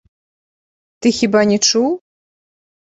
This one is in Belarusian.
Ты хіба не чуў?